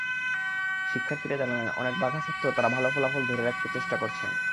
শিক্ষার্থীরা জানালেন, অনেক বাধা সত্ত্বেও তাঁরা ভালো ফলাফল ধরে রাখতে চেষ্টা করছেন।